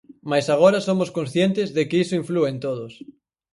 Mais agora somos conscientes de que iso inflúe en todos.